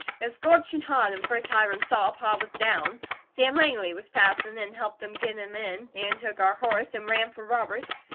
It was scorchin' hot an' first Hiram saw, Pa was down. Sam Langley was passin' an' helped get him in, an' took our horse an' ran for Robert.